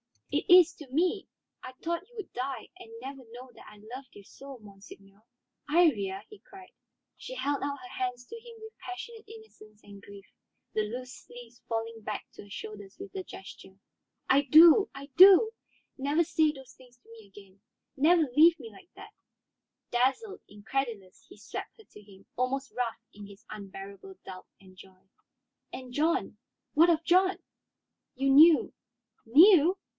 "It is, to me. I thought you would die and never know that I loved you so, monseigneur." "Iría!" he cried. She held out her hands to him with passionate innocence and grief, the loose sleeves falling back to her shoulders with the gesture. "I do, I do. Never say those things to me again, never leave me like that." Dazzled, incredulous, he swept her to him, almost rough in his unbearable doubt and joy. "And John? What of John?" "You knew " "Knew?